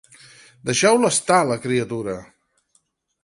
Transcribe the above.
—Deixeu-la estar, la criatura!